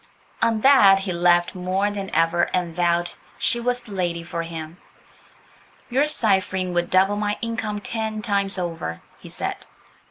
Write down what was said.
On that he laughed more than ever and vowed she was the lady for him. "Your ciphering would double my income ten times over," he said.